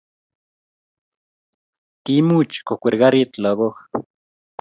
Kimuch kokwer karit lagok